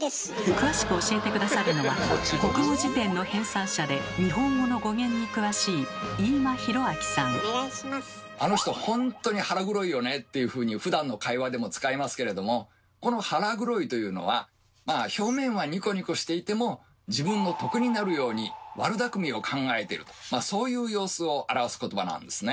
詳しく教えて下さるのは国語辞典の編纂者で日本語の語源に詳しいっていうふうにふだんの会話でも使いますけれどもこの「腹黒い」というのは「表面はニコニコしていても自分の得になるように悪だくみを考えてる」とそういう様子を表すことばなんですね。